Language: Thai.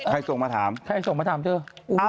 ส่งมาถามใครส่งมาถามเธอ